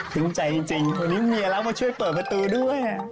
ถึงใจจริงวันนี้เมียแล้วมาช่วยเปิดประตูด้วย